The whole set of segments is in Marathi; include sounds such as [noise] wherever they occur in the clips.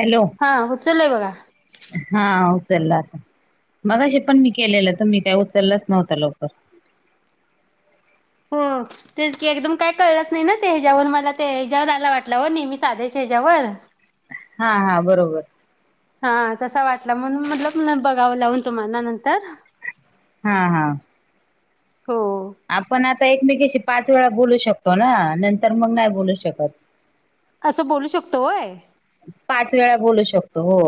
हॅलो! हा उचलोय बघा. हा उचला मगाशी पण मी केलेलं तुम्ही काय उचलेलाच नव्हतं लवकर हो. तेच की एकदम काय कळलंच नाही ना ते हच्यायावर मला ते हेच्यावर आला वाटलं हो नेहमी साध्याच्या हेज्यावर हा हा बरोबर हा तसा वाटला म्हणून बघावं लावून तुम्हाला नंतर हा हा. हो. आपण आता एकमेकीशी पाच वेळा बोलू शकतो ना नंतर मग नाही बोलू शकत. असं बोलू शकतोय होय? पाच वेळा बोलू शकतो हो.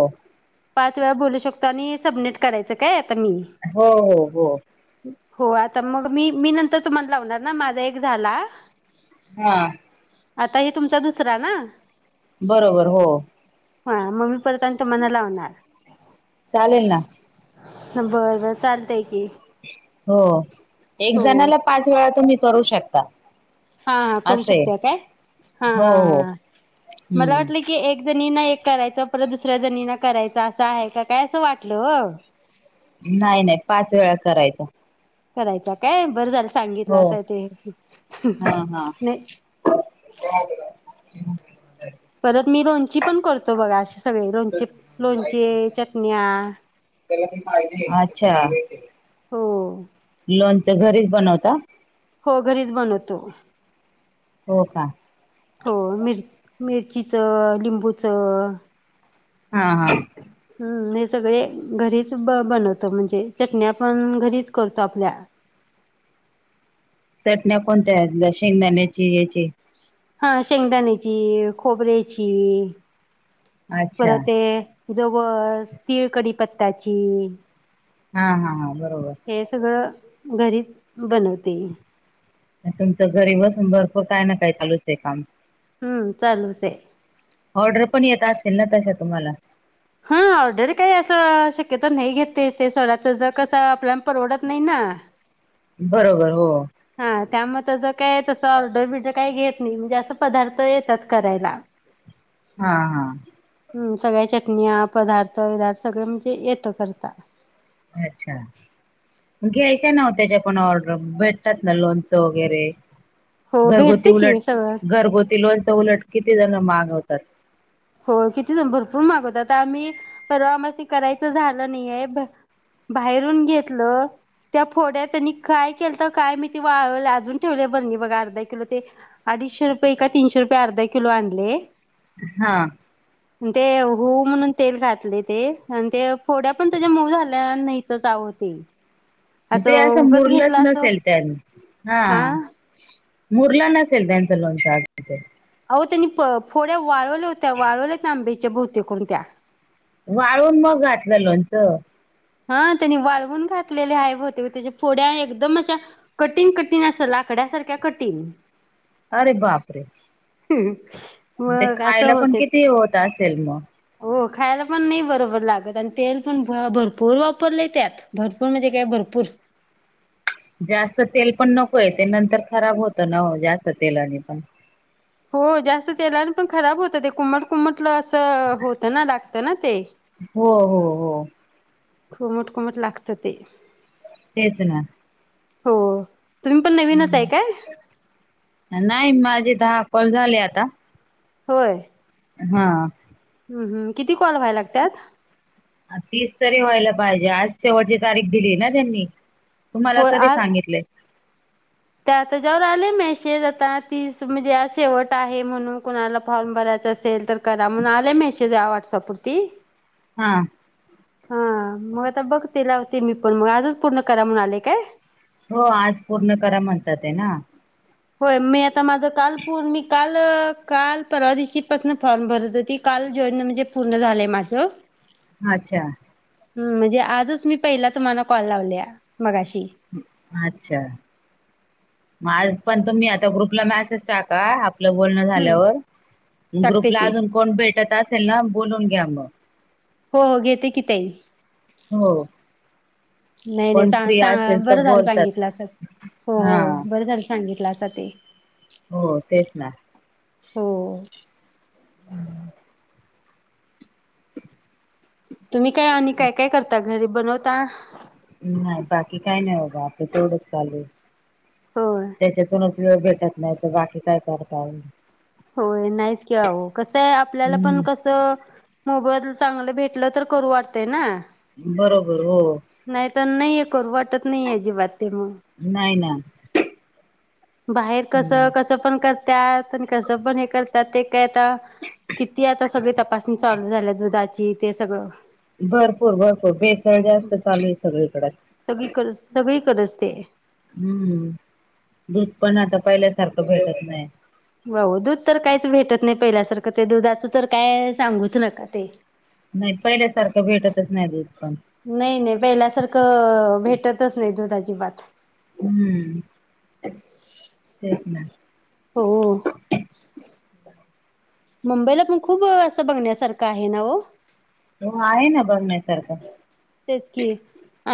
पाच वेळा बोलू शकतो आणि सबमिट करायचं काय आता मी हो हो हो हो आता मग मी मी नंतर तुम्हाला लावणार ना माझा एक झाला? हा. आता हे तुमचा दुसरा ना. बरोबर हो. ह मग मी परतताना म्हणालात. चालेल ना. बरं चालतय की. हो एक हो जणाला पाच वेळा तुम्ही करू शकता. हा हा करू असे शकते काय हा हो हा हो हा मला हम्म वाटलं. की एक जणीना एक करायचं परत दुसऱ्या जणीना करायचं असं आहे का काय असं वाटलं हो. नाही नाही पाच वेळा करायचा. करायचा काय बरं झालं सांगितलं हो असंय ते ह् ह हा नाही. हा [unintelligible] परत मी लोणची पण करतो बघा असे सगळे लोणचे लोणचे चटण्या. त्याला ते पाहिजे अच्छा. हो. लोणच घरीच बनवता. हो घरीच बनवतो. हो का. हो मिरच मिरचीचं लिंबूचं. हा हा. हम्म हे सगळे घरीच ब बनवतो म्हणजे चटण्या पण घरीच करतो आपल्या. चटण्या कोणत्या शेंगदाण्याची याची. हा शेंगदाणेची खोबरेची अच्छा परत ये. जवस तिळकढी पत्ता्याची. हा हा हा बरोबर. हे सगळ घरीच बनवते. तुमचं घरी बसून भरपूर काय ना काय चालूच आहे काम. हम्म चालूच हे. ऑर्डर पण येत असेल ना तशा तुम्हाला. हा ऑर्डर काही असं शक्यतो नाही घेते ते सगडच ज कसं आपल्याला परवडत नाही ना. बरोबर हो. हा त्यामुळे त्या ज काय तसं ऑर्डर बिडर काही घेत नाही म्हणजे असं पदार्थ येतात करायला. हा हा. हम सगळ्या चटण्या पदार्थ विदार्थ सगळे म्हणजे येतं करता. अच्छा. घ्यायच्या ना हो त्याच्या पण ऑर्डर भेटतात ना लोनचं वगैरे. हो घरगुती भेटते की उलट सगळं घरगुती लोणच उलट किती जण मागवतात. हो किती जण भरपूर मागवतात तर आम्ही परवामा करायचं झालं नाही आहे. बाहेरून घेतलं. त्या फोड्या त्यांनी काय केलतय काय मी ते वाळवला अजून ठेवले बरणी बघा अर्धा कि ते. अडीचशे रुपये का तीनशे रुपये अर्धा किलो आणले. हा. ते हू म्हणून तेल घातले ते आणि ते फोड्या पण त्याच्या मऊ झाल्या नाही तरचवं ते. म ते असं उगच मुरलंच घेतलं असं नसेल त्यानी हा. मुरल नसेल त्यांच लोणच अजुण ते. अहो त्यांनी प फोड्या वाळवल्या होत्या वाळवल्यात ना आंब्याच्या भोवते कोणत्या. वाळून मग घातलं लोणचं. हा त्यांनी वाळवून घातलेले आहे बहुते होते त्याच्या फोड्या एकदम अशा. कटिंग कटीण असं लाकड्यासारख्या कटीण. अरे बापरे! [inaudible] ते असं खायला पण होते. किती होत असेल मग. हो खायला पण नाही बरोबर लागत, आणि तेल पण भ भरपूर वापरलय त्यात. भरपूर म्हणजे काय? भरपूर. जास्त तेल पण नकोय, ते नंतर खराब होतं न हो जास्त तेलाने पण. हो, जास्त तेलान पण खराब होतं ते कुमट म्हटल असं होतं ना, लागत ना ते. हो हो हो खोमट, खोमट लागत ते. तेच ना. हो, तुम्ही पण नवीनच आहे हम्म. काय? नाही, माझे दहा कॉल झाले आता. होय. हा. हम्म हम, किती कॉल व्हायला लागतात? तीच तरी व्हायला पाहिजे, आज शेवटची तारीख दिली ना त्यांनी. तुम्हाला तरी सांगितलय. ते आता त्याज्यावर आले मेसेज आता, तीस म्हणजे आज शेवट आहे म्हणून, कुणाला फॉर्म भरायचं असेल तर करा म्हणून आले मेसेज या व्हाट्सअप वरती. हा. हा मग आता बघते, लावते मी पण मग. आजच पूर्ण करा म्हणाले काय? हो आज पूर्ण करा म्हणतात हे ना. होय, मी आता माझं काल पूर मी काल काल परवा दिशी पासन फॉर्म भरत होती. काल [unintelligible] म्हणजे पूर्ण झालंय माझं. अच्छा! हुं, म्हणजे आजच मी पहिला तुम्हाला कॉल लावल्या मगाशी. अच्छा! मग आज पण तुम्ही आता ग्रुपला मेसेज टाका आ आपलं बोलणं हम्म झाल्यावर, टाकते ग्रुपला की अजून कोण भेटत असेल ना बोलून घ्या मग. हो घेते की ताई. हो. नाही नाही, कोण सा फ्री सा असेल तर बरं झालं बोलतात सांगितलं अस, हो हो हा बरं झालं सांगितलं असं ते. हो तेच ना. हो हम्म. तुम्ही काय आणि काय काय करता? घरी बनवता नाही, बाकी काही नाही अगं आपल तेवढंच चालूये, होय त्याच्यात कोणाची वेळ भेटत नाही, तर बाकी काय करता [unintelligible] होय नाहीच कि अहो, कसं आहे आपल्याला पण हम्म कसं मोबदला चांगलं भेटल तर करू वाटतंय ना? बरोबर हो. नाही तर नाही हे करू वाटत नाही हे अजिबात ते मग. नाही ना. बाहेर कस, हम्म कस पण करतात आणि कसं पण हे कर त्यात ते काय आता, किती आता सगळी तपासणी चालू झाल्या दुधाची ते सगळं. भरपूर भरपूर, भेसळ जास्त चालू आहे सगळीकडच. सगळी करज सगळी कर असते. हम्म दूध पण आता पहिल्यासारखं भेटत नाही. हाऊ दूध तर काहीच भेटत नाही पहिल्यासारखं, ते दुधाचं तर काय सांगूच नका ते. नाही पहिल्यासारखं भेटतच नाही दुध पण नाही नाही पहिल्यासारखं भेटतच नाही दुधाची बात. हम्म, तेच ना. हो मंबयला पण खूप असं बघण्यासारखं आहे ना हो? हो आहे ना बघण्यासारखं. तेच कि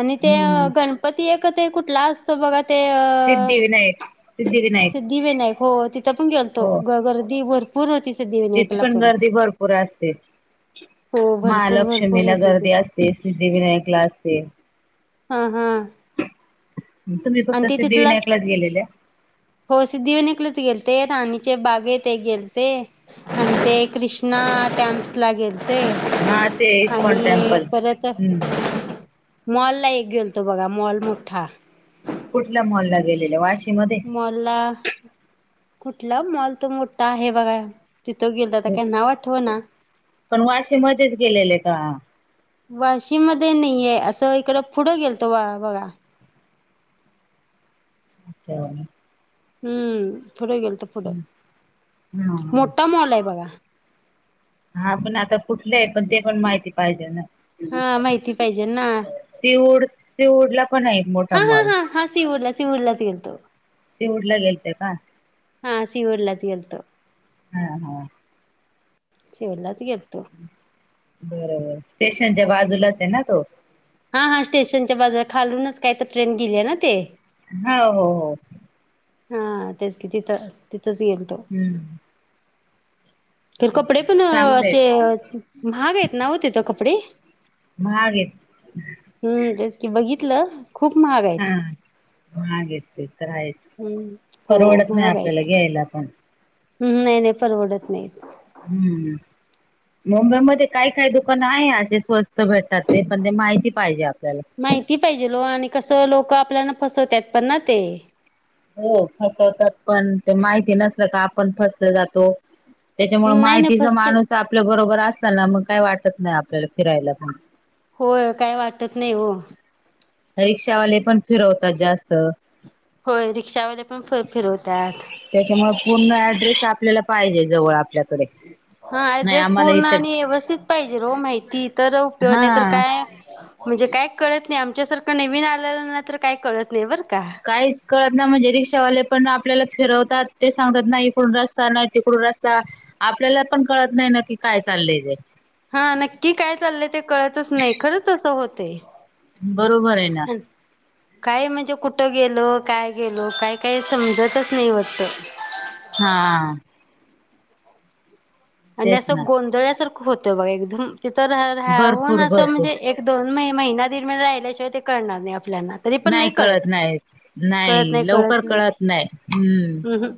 आणि ते हम्म गणपती एक ते कुठला असतो बघा ते सिद्धिविनायक सिद्धिविनायक सिद्धिविनायक हो तिथ पण गेलतो, हो गर्दी भरपूर होती. तिथे पण गर्दी भरपूर असते, हो भरपूर भरपूर महालक्ष्मीला होती ती गर्दी असते. ते सिद्धिविनायकला आसते. हा हा तुम्ही आणि फक्त ते तिथला सिद्धिविनायकलाच गेलेल्या? हो सिद्धीविनायकलाच गेलते, राणीचे बागेत एक गेलते आणि ते कृष्णा टॅम्प्स ला गेले ते हा ते इस्कॉन आणि टेम्पल परत हम्म मॉल ला एक गेलतो बघा, मॉल मोठा कुठल्या मॉलला गेलेल्या, वाशीमध्ये? मॉलला, कुठला मॉल तो मोठा आहे बघा. तिथं गेलता, काही नाव आठवना. पण वाशी मध्येच गेलेले का? वाशी मध्ये नाहीये, असं इकडं पुढं गेलतो बा बघा. [inaudible] हम्म पुढे गेलतो पुढं हम्म. हा मोठा मॉल आहे बघा. हा पण आता कुठले आहे, पण ते पण माहिती पाहिजे ना. हा माहिती पाहिजे ना. सीऊड सीऊडला पण आहे एक मोठा हा हा माॅल. हा हा सिवूरला सिवूरलाच गेलतो सीवुड ला गेलते का? हा सी उडला गेलतो. हा हा सी वुडलाच गेलतो. हम्म स्टेशन च्या बाजूलाच आहे ना तो. हा हा स्टेशनच्या बाजुला, खालूनच काय तर ट्रेन गेली आहे ना ते. हा हो हो. हा तेच कि तिथं तिथंच गेलतो. हम्म तर कपडे पण चांगले असे आहेत महाग आहेत ना हो तिथं कपडे? महाग आहेत. हम्म तेच की, बघितलं. खूप महाग आ हा माहागेत ते तर आहेच, हम्म हो परवडत नाही महाग आपल्याला आहेत घ्यायला पण. हम्म नाही नाही परवडत नाही. हम्म मुंबईमध्ये काही काही दुकाने आहे. असे स्वस्त भेटतात ते पण ते माहिती पाहिजे आपल्याला माहिती पाहिजेलो आणि कसं लोक आपल्याला फसवतात पण ना ते, हो फसवतात पण ते माहिती नसल का? आपण फसला जातो. त्याच्यामुळे हम्म नाही नाही माहितीचा फसते माणूस आपल्या बरोबर अस चला मग काय वाटत नाही आपल्याला फिरायला पण हो काय वाटत नाही हो रिक्षावाले पण फिरवतात. जास्त होय रिक्षावाले पण फ फिरवत्यांत त्याच्यामुळे पूर्ण ऍड्रेस, आपल्याला पाहिजे जवळ आपल्याकडे. हा नाही ऍड्रेस आम्हाला पूर्ण इथं आणि व्यवस्थित पाहिजेल ओ माहिती तर उप नाहीतर हा काय? म्हणजे काय कळत नाही. आमच्यासारखं नवीन आलेलं नाही तर काय कळत नाही बरं का, काहीच कळत नाही म्हणजे रिक्षावाले पण आपल्याला फिरवतात ते सांगतात नाही इकडून रस्ता नाही तिकडून रस्ता आपल्याला पण कळत नाही नक्की काय चालय ते? हा नक्की काय चाललंय ते कळतच नाही खरंच असं होतय. बरोबर हे ना! काय म्हणजे कुठं गेलो? काय गेलो काय काय समजतच नाही वाटत हां [inaudible] आणि तेच असं ना गोंधळसारखं होतं बघा एकदम तिथं राअअ राहून भरपूर असं भरपूर म्हणजे एक दोन महि महिना, दिडमहिना राहिल्याशिवाय ते करणार नाही आपल्याला नाही कळत, नाही नाही लवकर कळत नाही हम्म हम्म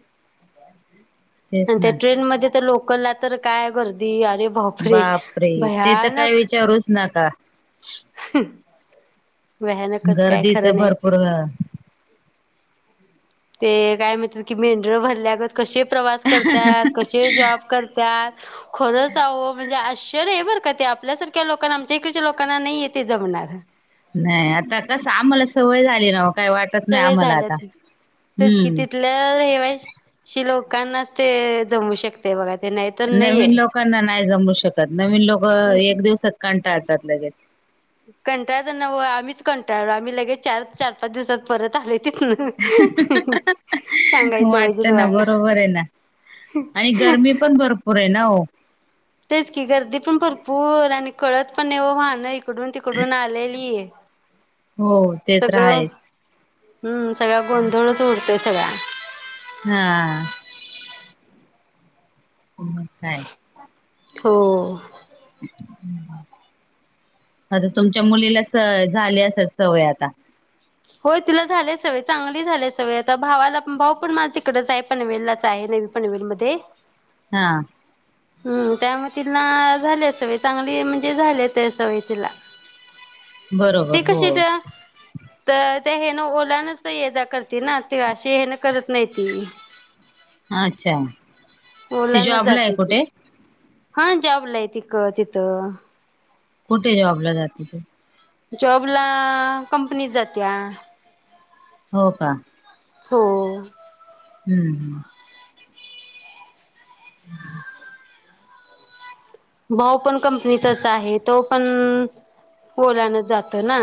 तेच आणि त्या ना ट्रेन मध्ये तर लोकला तर काय गर्दी अरे बापरे ते तर काय भयानक! विचारूच नका भयानकच काय गर्दीच खरं नाही भरपूर ते ते काय म्हणतात मेंढर भरल्यागत कसे प्रवास करत्यात कशी जॉब करत्यात खरचं आहो म्हणजे अशी तर हे बरं का ते आपल्यासारख्या लोकांना आमच्या इकडच्या लोकांना नाही ते जमणार नाही आता कसं आम्हाला सवय झाली ना ओ काही वाटत नाही आम्हाला आता हम्म तर रहिवाशी लोकांनाच ते जमू शकते बघा ते नाही तर नवीन नाहीये लोकांना नाही जमू शकत, नवीन लोक एक दिवसात कंटाळतात लगेच. कंटाळता न्हवं, आम्हीच कंटाळलो आम्ही लगेच चार चार-पाच दिवसात परत आलो. तिथंन [inaudible] सांगायचं वाटत म्हणजे ना तुम्हाला बरोबर आहे ना आणि गरमी पण भरपूर आहे ना हो, तेच की, गर्दी पण भरपूर आणि कळत पण नाही ओ वाहानं इत इकडून तिकडून आलेली ये हो ते तर आहेच हम्म सगळा, गोंधळच उडतय सगळा हं म काय? हो आता तुमच्या मुलीला स झाली असत सवय आता. होय तिला झाले स हवय, चांगली झाले सवय, आता भावाला भाऊ पण माझ तिकडच आहे. पनवेलाच आहे ने पनवेल मध्ये, हा, हम्म त्यामुळे तिला झाले सवय चांगली म्हणजे झाले ते सवय तिला ते बरोबर हो कशेच तर त्या हे ना ओलानच ये-जा करते ना ते अशी हेन करत नाहीत नी. अच्छा ओला ती न जॉबला आहे जाते ती. कुठे हा जॉबलाय तिक तिथं! कुठे जॉबला जाते ती? जॉबला... कंपनीत जातीआ हो का हो हम्म हम्म हं भाऊ पण कंपनीतच आहे. तो पन ओलानच जातो ना.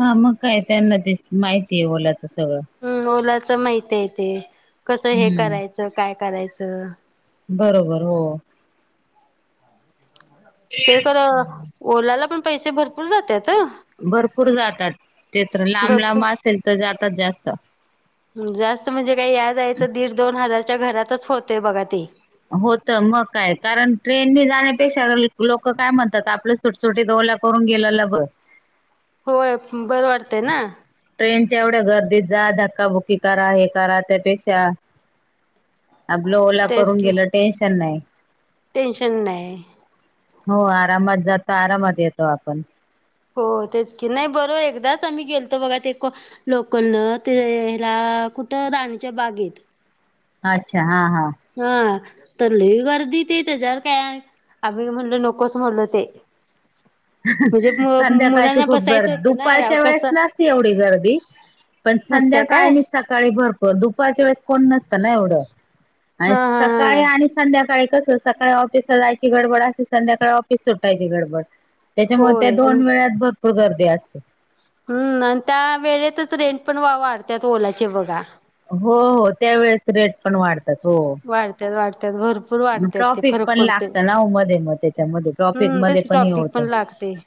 हा मग काय, त्यांना ते माहिती आहे ओलाचं सगळं. हम्म...... ओलाच माहित आहे ते, कसं हे हम्म करायचं, काय करायचं. बरोबर हो. ते कर ओलाला पण पैसे भरपूर जात्यात. भरपूर जातात. ते तर लांब लांब भरपूर असेल तर जातात जास्त. जास्त म्हणजे काय या-जायचं दीड दोन हजारच्या घरातचं होतयं बघा ते. होत मग काय, कारण ट्रेनने जाण्यापेक्षा ल लोक काय म्हणतात आपलं.... सुटसुटीत ओला करून गेलंल ब होय. बरं वाटतंय ना. ट्रेनच्या एवढ्या गर्दीत जा. धक्काबुक्की करा. हे करा त्यापेक्षा आपलं ओला तेच करून की गेलं, टेन्शन नाही. टेन्शन नाही. हो, आरामात जातो, आरामात येतो आपन. हो तेच की, नाही बरोब एकदाच आम्ही गेलतो बघा ते..... लोकलन ते हेला, कुटं राणीच्या बागेत. अच्छा! हा हा. हा, तर लई गर्दी ते, त्याच्यावर काय आम्ही त म्हणल नकोच म्हणलं ते.... [inaudible] अहह... म्हणजे संध्याकाळची मुलांना खूप गर्... बसायचं होतं ना दुपारच्या वेळेस कसं नसती एवढी गर्दी.... पण संध्या नसत्या काय नी.... हा सकाळी भरपूर.... दुपारच्या वेळेस कोण नसत ना एवढं, आणि हा हा सकाळी आणि...... संध्याकाळी कसं सकाळी ऑफिस ला जायची गडबड असं, संध्याकाळी ऑफिस सुटायची गडबड. त्याच्यामुळे त्या होय दोन वेळात भरपूर गर्दी असते. हम्म आन त्या वेळेतच रेंट पण वा.. वाढतात ओलाचे बघा. हो हो, त्यावेेळेस रेटपण वाढतात. हो.... वाढत्यात वाढत्यात भर पूर वाढत्पवाटते ते ट्रॉफिक फरक पण पडतोय. लागतं ना ओ मध्ये मग त्याच्यामध्ये ट्रॉफिक हम्म, मध्ये त्याच हे टॉपिक होतं. पण लागतयं